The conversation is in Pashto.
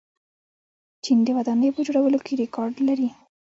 چین د ودانیو په جوړولو کې ریکارډ لري.